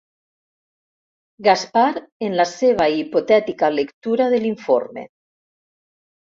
Gaspar en la seva hipotètica lectura de l'informe.